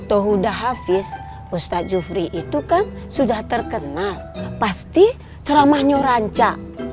tohudah hafiz ustadz jufri itu kan sudah terkenal pasti ceramahnya ranca